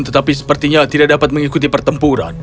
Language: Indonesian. tetapi sepertinya tidak dapat mengikuti pertempuran